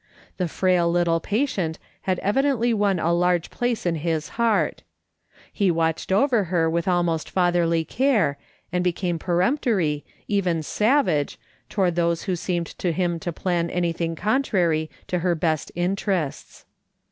The frail little patient had evidently won a large place in his heart. He watched over her with almost fatherly care, and became peremptory, even savage, toward those who seemed to him to plan anything contrary to her best interests.